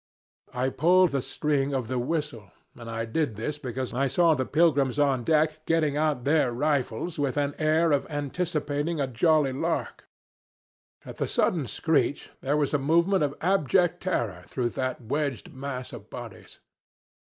"I pulled the string of the whistle, and I did this because I saw the pilgrims on deck getting out their rifles with an air of anticipating a jolly lark. At the sudden screech there was a movement of abject terror through that wedged mass of bodies.